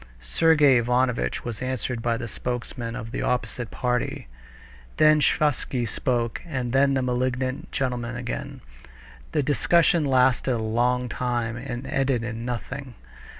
Sergey Ivanovitch was answered by the spokesman of the opposite party. Then Sviazhsky spoke, and then the malignant gentleman again. The discussion lasted a long time and ended in nothing.